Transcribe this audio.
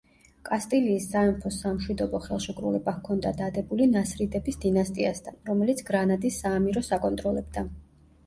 კასტილიის სამეფოს სამშვიდობო ხელშეკრულება ჰქონდა დადებული ნასრიდების დინასტიასთან, რომელიც გრანადის საამიროს აკონტროლებდა.